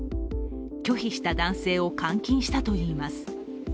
拒否した男性を監禁したといいます。